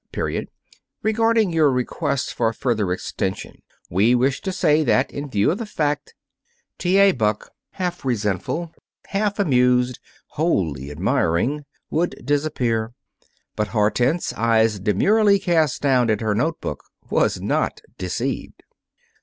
Period. Regarding your request for further extension we wish to say that, in view of the fact " T. A. Buck, half resentful, half amused, wholly admiring, would disappear. But Hortense, eyes demurely cast down at her notebook, was not deceived.